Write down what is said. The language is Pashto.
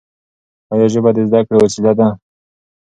ایا ژبه د زده کړې وسیله ده؟